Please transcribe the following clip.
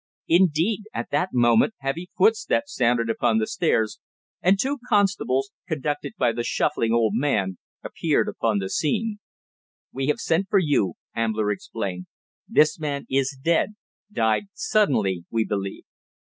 Indeed, at that moment heavy footsteps sounded upon the stairs, and two constables, conducted by the shuffling old man, appeared upon the scene. "We have sent for you," Ambler explained. "This man is dead died suddenly, we believe."